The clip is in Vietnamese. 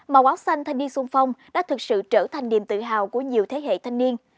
màu áo xanh thanh niên sung phong đã thực sự trở thành niềm tự hào của nhiều thế hệ thanh niên